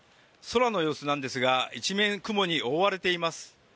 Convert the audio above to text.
空の様子なんですが一面雲に覆われています。